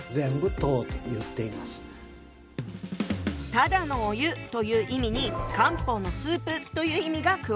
ただのお湯という意味に漢方のスープという意味が加わったのね。